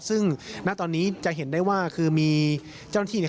ซึ่งณตอนนี้จะเห็นได้ว่าคือมีเจ้าหน้าที่เนี่ย